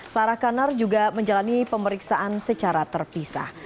sarah kanar juga menjalani pemeriksaan secara terpisah